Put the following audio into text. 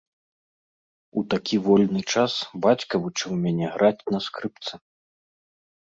У такі вольны час бацька вучыў мяне граць на скрыпцы.